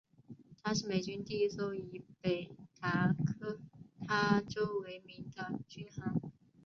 她是美军第一艘以北达科他州为名的军舰。